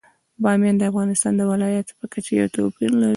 بامیان د افغانستان د ولایاتو په کچه یو توپیر لري.